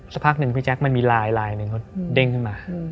สักพักหนึ่งพี่แจ๊คมันมีลายลายหนึ่งเขาเด้งขึ้นมา